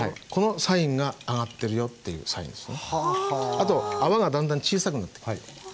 あと泡がだんだん小さくなってく。